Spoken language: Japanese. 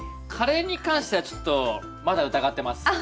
カレーに関してはちょっとまだ疑ってます。